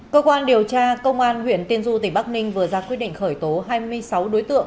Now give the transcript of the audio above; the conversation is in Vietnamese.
cơ quan điều tra công an huyện tiên du tỉnh bắc ninh vừa ra quyết định khởi tố hai mươi sáu đối tượng